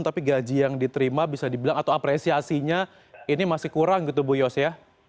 tapi gaji yang diterima bisa dibilang atau apresiasinya ini masih kurang gitu bu yos ya